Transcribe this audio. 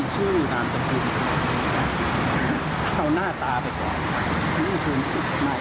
จูหันมาด้านนี้หน่อยครับ